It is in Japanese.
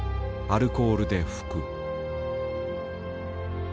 アルコールで拭く。